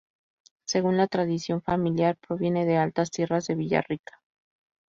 Según la tradición familiar provienen de altas tierras de Villarrica.